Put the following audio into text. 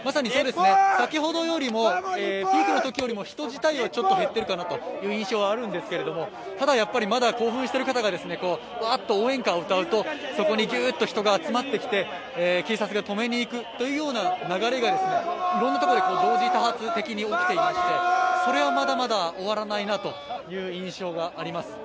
先ほどのピークの時より一時よりはちょっと減ってるかなという印象はあるんですけどただやっぱり、まだ興奮している方がワッと応援歌を歌うとそこにぎゅっと人が集まってきて警察が止めにいくという流れがいろんなところで同時多発的に起きていまして、それはまだまだ終わらないという印象があります。